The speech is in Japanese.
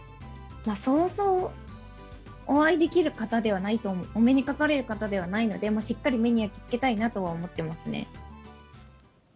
そうそうお会いできる方ではないと、お目にかかれる方ではないので、しっかり目に焼きつけたいなとは思っていますね。